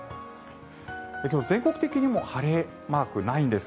今日、全国的にも晴れマーク、ないんです。